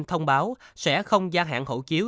thông báo sẽ không gia hạn hậu chiếu